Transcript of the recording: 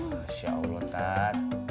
masya allah tat